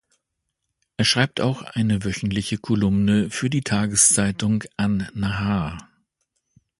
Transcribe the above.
Er schreibt auch eine wöchentliche Kolumne für die Tageszeitung An-Nahar.